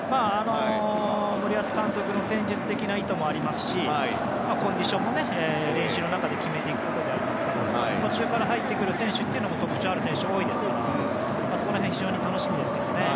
森保監督の戦術的な意図もありますしコンディションも練習の中で決めていくことなので途中から入ってくる選手も特徴のある選手が多いですのでそこら辺は非常に楽しみですね。